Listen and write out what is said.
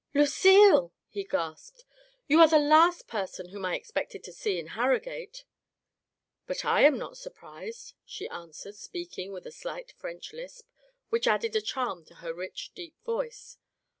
" Lucille !" he gasped. " You are the last per son whom I expected to see in Harrogate." "But I am not surprised,*' she answered, speaking with a slight French lisp, which added a charm to her rich, deep voice.